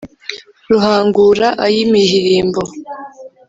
ruhangura ay' imihirimbo